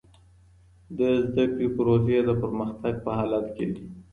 د زده کړي پروسې د پرمختګ په حالت کې دي.